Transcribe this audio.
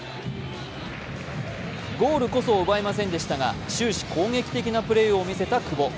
ゴールこそ奪えませんでしたが終始、攻撃的なプレーを見せた久保。